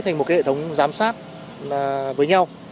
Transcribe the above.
thành một hệ thống giám sát với nhau